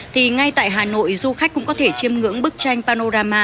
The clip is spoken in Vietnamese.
thì ngay tại hà nội du khách cũng có thể chiêm ngưỡng bức tranh panorama